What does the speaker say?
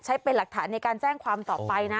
ใช้เป็นหลักฐานในการแจ้งความต่อไปนะ